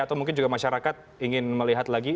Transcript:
atau mungkin juga masyarakat ingin melihat lagi